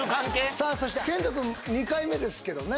さあそして遣都くん２回目ですけどね